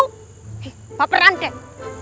eh paparan deh